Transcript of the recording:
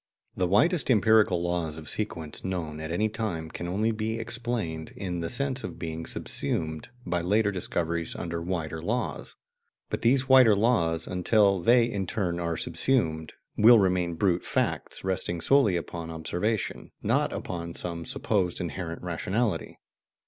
The widest empirical laws of sequence known at any time can only be "explained" in the sense of being subsumed by later discoveries under wider laws; but these wider laws, until they in turn are subsumed, will remain brute facts, resting solely upon observation, not upon some supposed inherent rationality.